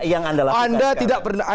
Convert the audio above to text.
itu yang anda lakukan